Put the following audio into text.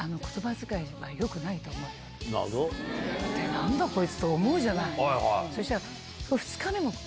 何だこいつ！と思うじゃない。